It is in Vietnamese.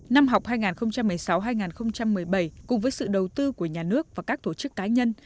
năm học hai nghìn một mươi sáu hai nghìn một mươi bảy cùng với sự đầu tư của nhà nước và các tổ chức cá nhân